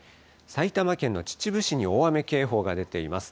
埼玉県の秩父市に大雨警報が出ています。